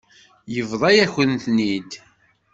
Yebḍa-yakent-ten-id.